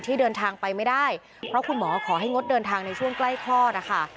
เดินทางไปไม่ได้เพราะคุณหมอขอให้งดเดินทางในช่วงใกล้คลอดนะคะ